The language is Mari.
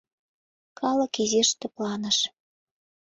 Калык изиш тыпланыш.